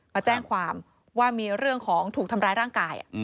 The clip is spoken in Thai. มาแจ้งความว่ามีเรื่องของถูกทำร้ายร่างกาย